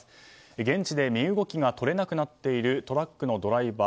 現地で身動きが取れなくなっているトラックのドライバー